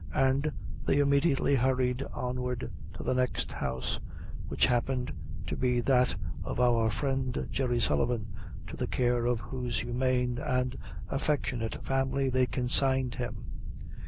And they immediately hurried onward to the next house, which happened to be that of our friend Jerry Sullivan, to the care of whose humane and. affectionate family they consigned him.